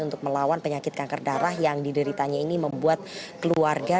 untuk melawan penyakit kanker darah yang dideritanya ini membuat keluarga